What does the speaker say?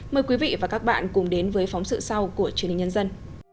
mời quý vị và các bạn cùng đến với phóng sự sau của truyền hình nhân dân